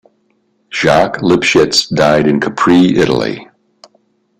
Jacques Lipchitz died in Capri, Italy.